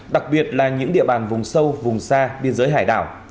đặc biệt là những địa bàn vùng sâu vùng xa biên giới hải đảo